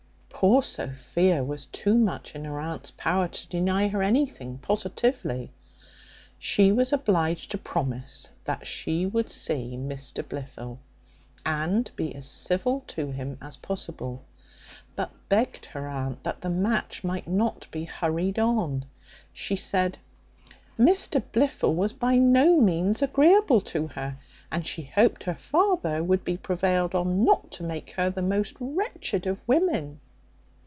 Poor Sophia was too much in her aunt's power to deny her anything positively; she was obliged to promise that she would see Mr Blifil, and be as civil to him as possible; but begged her aunt that the match might not be hurried on. She said, "Mr Blifil was by no means agreeable to her, and she hoped her father would be prevailed on not to make her the most wretched of women."